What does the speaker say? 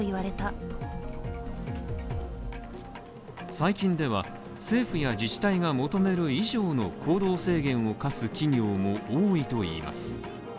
最近では政府や自治体が求める以上の行動制限を課す企業も多いといいます